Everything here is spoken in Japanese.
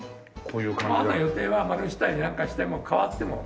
まああとは予定はマルしたりなんかしても変わっても。